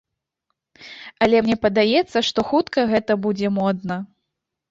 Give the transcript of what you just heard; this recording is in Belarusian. Але мне падаецца, што хутка гэта будзе модна.